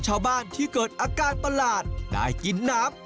ชาวบ้านที่เกิดอาการประหลาดได้กินน้ำ